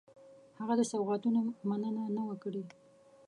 هغه د سوغاتونو مننه نه وه کړې.